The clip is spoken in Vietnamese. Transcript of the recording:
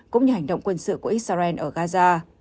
cũng như hành động quân sự của israel ở gaza